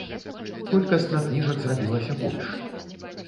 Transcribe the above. Колькасна кніжак зрабілася больш.